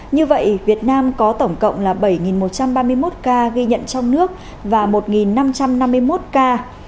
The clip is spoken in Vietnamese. như vậy việt nam có tổng cộng là bảy một trăm ba mươi một ca ghi nhận trong nước và một năm trăm năm mươi một ca